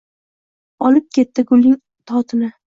Olib ketdi gulning totini.